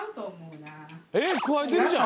えっくわえてるじゃん！